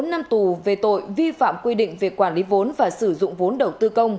bốn năm tù về tội vi phạm quy định về quản lý vốn và sử dụng vốn đầu tư công